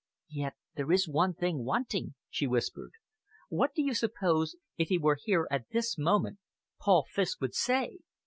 "Yet there is one thing wanting," she whispered. "What do you suppose, if he were here at this moment, Paul Fiske would say?